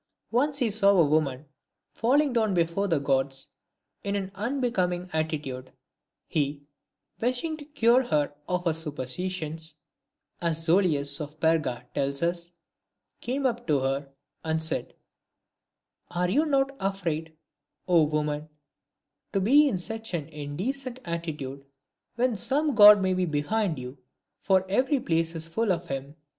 Once he saw a woman falling down before the Gods in an unbecoming attitude ; he, wishing to cure her of her super stition, as Zoilus of Perga tells us, came up to her, and said, " Are you not afraid, 0 woman, to be in such an indecent atti tude, when some God may be behind you, for every place is full of him?"